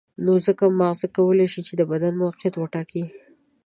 نو ځکه ماغزه کولای شي چې د بدن موقعیت وټاکي.